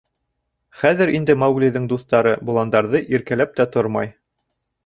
Хәҙер инде Мауглиҙың дуҫтары боландарҙы иркәләп тә тормай.